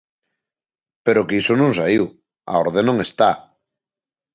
Pero é que iso non saíu; a orde non está.